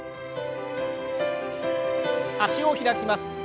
脚を開きます。